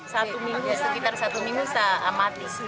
sekitar satu minggu saya mati